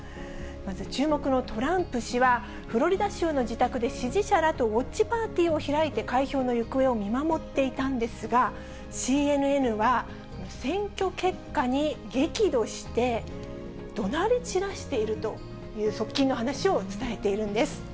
まず注目のトランプ氏は、フロリダ州の自宅で、支持者らとウォッチパーティーを開いて、開票の行方を見守っていたんですが、ＣＮＮは、選挙結果に激怒して、どなり散らしているという側近の話を伝えているんです。